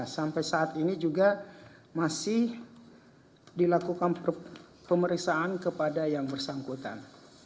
sampai saat ini juga masih dilakukan pemeriksaan kepada yang bersangkutan